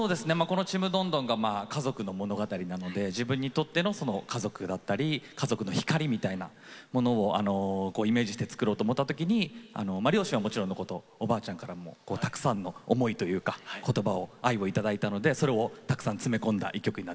この「ちむどんどん」が家族の物語なので自分にとっての家族だったり家族の光みたいなものをイメージして作ろうと思った時にまあ両親はもちろんのことおばあちゃんからもたくさんの思いというか言葉を愛を頂いたのでそれをたくさん詰め込んだ一曲になってます。